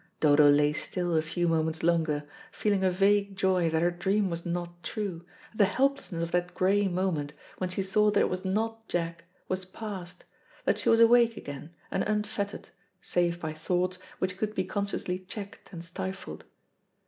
Dodo lay still a few moments longer, feeling a vague joy that her dream was not true, that the helplessness of that grey moment, when she saw that it was not Jack, was passed, that she was awake again, and unfettered, save by thoughts which could be consciously checked and stifled.